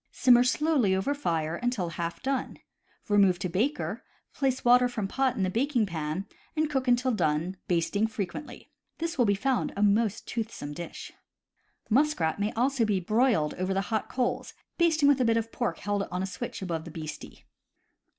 Simmer slowly over fire until half done. Re move to baker, place water from pot in the baking pan, and cook until done, basting frequently. This will be found a most toothsome dish." Muskrat may also be broiled over the hot coals, basting with a bit of pork held on a switch above the beastie.